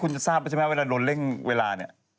คุณจะทราบว่าใช่ไหมแต่เวลาโดนเร่งเวลา